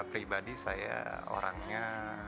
pribadi saya orangnya